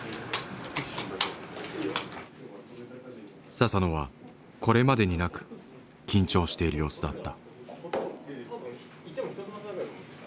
佐々野はこれまでになく緊張している様子だった。